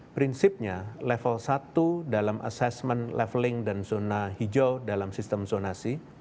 prinsipnya level satu dalam assessment leveling dan zona hijau dalam sistem zonasi